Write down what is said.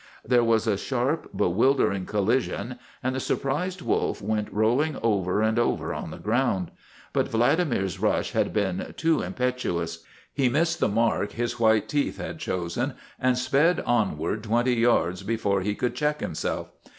i86 THE BLOOD OF HIS FATHERS There was a sharp, bewildering collision and the surprised wolf went rolling over and over on the ground. But Vladimir's rush had been too im petuous. He missed the mark his white teeth had chosen and sped onward twenty yards before he could check himself.